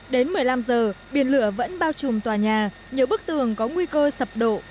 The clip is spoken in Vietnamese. đến một mươi năm giờ biển lửa vẫn bao trùm tòa nhà nhiều bức tường có nguy cơ sập đổ